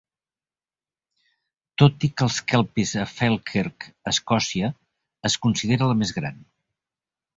Tot i que els Kelpies a Falkirk, a Escòcia, es considera la més gran.